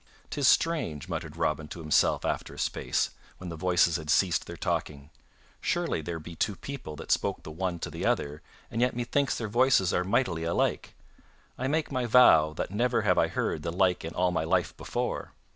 "'Tis strange," muttered Robin to himself after a space, when the voices had ceased their talking, "surely there be two people that spoke the one to the other, and yet methinks their voices are mightily alike. I make my vow that never have I heard the like in all my life before.